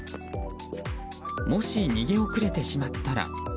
もし逃げ遅れてしまったら。